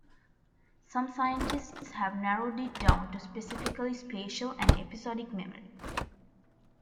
Some scientists have narrowed it down to specifically spatial and episodic memory.